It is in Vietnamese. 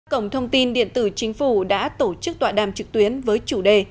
cổng thông tin điện tử chính phủ đã tổ chức tọa đàm trực tuyến với chủ đề